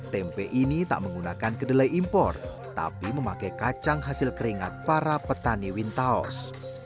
tempe ini tak menggunakan kedelai impor tapi memakai kacang hasil keringat para petani wintaus